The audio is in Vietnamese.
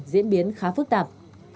diễn biến khá phức tạp